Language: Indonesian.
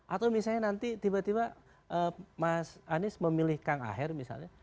atau misalnya nanti tiba tiba mas anies memilih kang aher misalnya